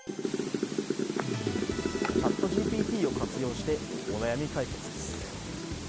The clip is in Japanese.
ＣｈａｔＧＰＴを活用してお悩み解決です。